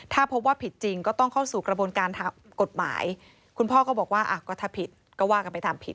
กระบวนการทำกฎหมายคุณพ่อก็บอกว่าอ่ะก็ถ้าผิดก็ว่ากันไปตามผิด